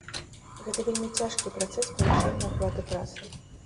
Гэта вельмі цяжкі працэс павышэння аплаты працы.